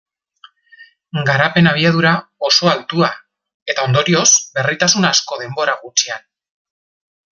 Garapen abiadura oso altua, eta ondorioz berritasun asko denbora gutxian.